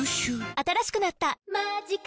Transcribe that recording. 新しくなった「マジカ」